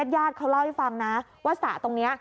ญาติเขาเล่าให้ฟังนะว่าสระตรงนี้